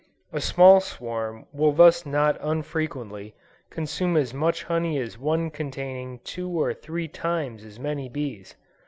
A small swarm will thus not unfrequently, consume as much honey as one containing two or three times as many bees.